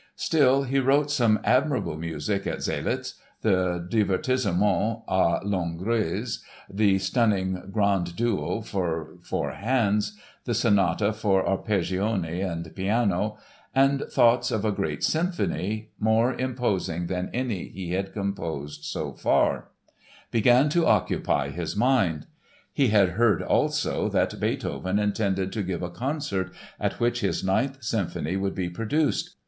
Still, he wrote some admirable music at Zseliz—the Divertissement à l'Hongroise, the stunning Grand Duo for four hands, the sonata for arpeggione and piano; and thoughts of a great symphony, more imposing than any he had composed so far, began to occupy his mind. He had heard, also, that Beethoven intended to give a concert at which his Ninth Symphony would be produced.